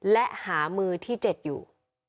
และหามือที่๗อยู่